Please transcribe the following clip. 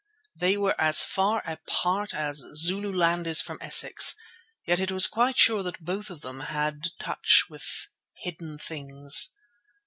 They were as far apart as Zululand is from Essex. Yet it was quite sure that both of them had touch with hidden things.